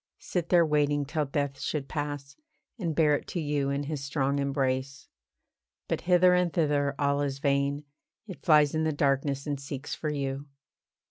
Sit there waiting till death should pass, And bear it to you in his strong embrace. But hither and thither all is vain, It flies in the darkness, and seeks for you.